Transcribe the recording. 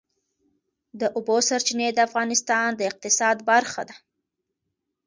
د اوبو سرچینې د افغانستان د اقتصاد برخه ده.